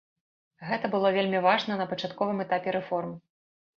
Гэта было вельмі важна на пачатковым этапе рэформ.